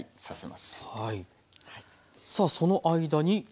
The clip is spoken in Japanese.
さあその間に。